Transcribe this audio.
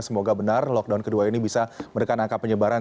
semoga benar lockdown kedua ini bisa menekan angka penyebaran